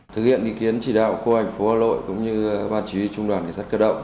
thực hiện ý kiến chỉ đạo của hà nội cũng như bàn chí trung đoàn cảnh sát cơ động